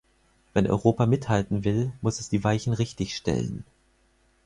Wenn Europa mithalten will, muss es die Weichen richtig stellen.